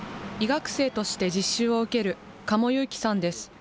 医学生として実習を受ける嘉茂優喜さんです。